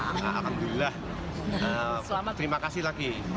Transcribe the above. nah alhamdulillah terima kasih lagi